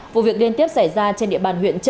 vụ việc liên tiếp xảy ra trên địa bàn huyện trợ